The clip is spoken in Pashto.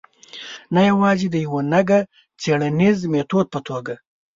نه یوازې د یوه نګه څېړنیز میتود په توګه.